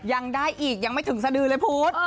ยังได้อีกยังไม่ถึงสดือเลยพุธ